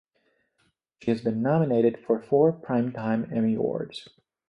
She has been nominated for four Primetime Emmy Awards.